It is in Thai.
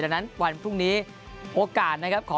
นะครับ